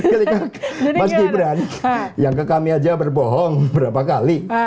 ketika mas gibran yang ke kami aja berbohong berapa kali